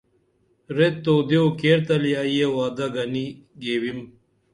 ریت او دیو کیرتلی ائی یہ وعم گنی گیوِم